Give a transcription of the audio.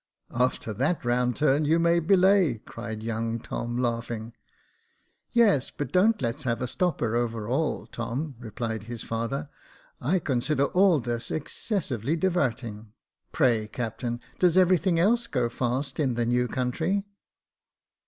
" After that round turn, you may belay," cried young Tom, laughing. " Yes, but don't let's have a stopper over all, Tom," replied his father. *' I consider all this excessively divart ing. Pray, captain, does everything else go fast in the new country."